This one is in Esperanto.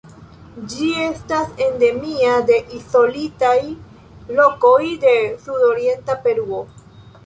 Ĝi estas endemia de izolitaj lokoj de sudorienta Peruo.